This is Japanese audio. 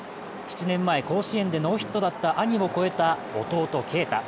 ７年前、甲子園でノーヒットだった兄を超えた弟・慶太。